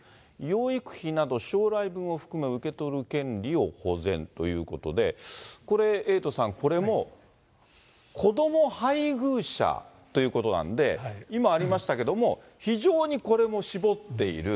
養育費など、将来分を含め受け取る権利を保全ということで、これ、エイトさん、これも子ども、配偶者ということなんで、今ありましたけども、非常にこれも絞っている。